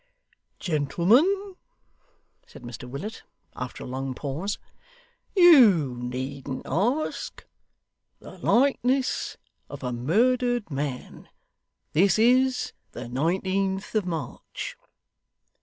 'Gentlemen,' said Mr Willet after a long pause, 'you needn't ask. The likeness of a murdered man. This is the nineteenth of March.